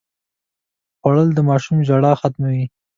خوړل د ماشوم ژړا ختموي